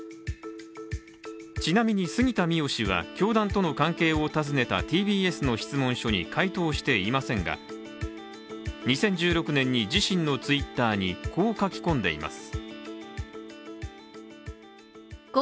ちなみに杉田水脈氏は、教団との関係を訪ねたＴＢＳの質問書に回答していませんが２０１６年に自身のＴｗｉｔｔｅｒにこう書き込んでいます。